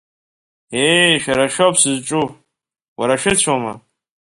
Еи, шәара шәоуп сызҿу, уара шәыцәоума?